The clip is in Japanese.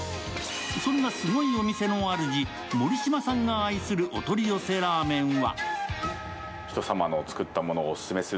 そんなすごいお店の主、盛島さんがあいするお取り寄せラーメンは？